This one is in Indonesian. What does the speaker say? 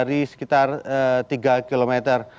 dari sekitar tiga km